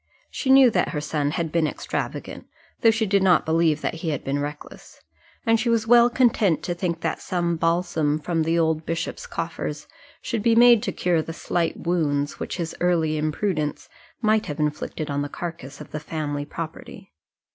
She knew that her son had been extravagant, though she did not believe that he had been reckless; and she was well content to think that some balsam from the old bishop's coffers should be made to cure the slight wounds which his early imprudence might have inflicted on the carcase of the family property.